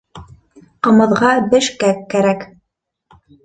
Ҡымыҙға бешкәк кәрәк